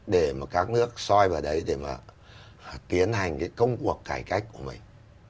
để mà các nước soi vào đấy để mà tiến hành cái công cuộc cải cách của mình